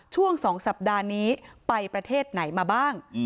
ช่วง๒สัปดาห์นี้ไปประเทศไหนมาบ้าง